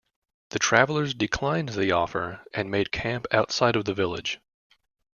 The travelers declined the offer and made camp outside of the village.